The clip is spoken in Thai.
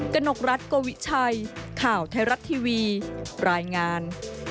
กนกรัฐโกวิชัยข่าวไทยรัฐทีวีรายงาน